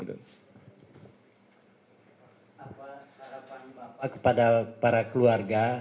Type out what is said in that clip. apalagi kepada para keluarga